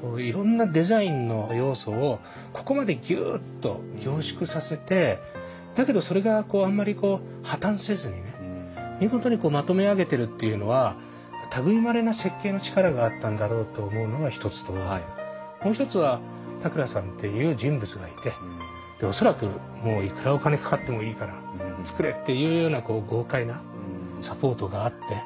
こういろんなデザインの要素をここまでギュッと凝縮させてだけどそれがあんまり破綻せずにね見事にまとめ上げてるっていうのは類いまれな設計の力があったんだろうと思うのが一つともう一つは田倉さんっていう人物がいてで恐らくもういくらお金かかってもいいから作れっていうようなこう豪快なサポートがあって。